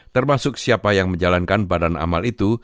termasuk siapa yang menjalankan badan amal itu